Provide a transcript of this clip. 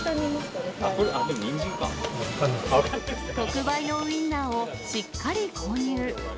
特売のウインナーをしっかり購入。